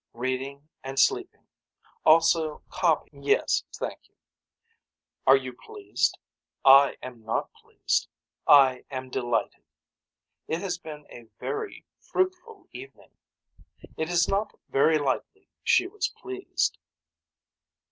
Reading and sleeping. Also copying. Yes thank you. Are you pleased. I am not pleased. I am delighted. It has been a very fruitful evening. It is not very likely she was pleased.